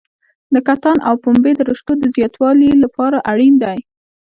د کتان او پنبې د رشتو د زیاتوالي لپاره اړین دي.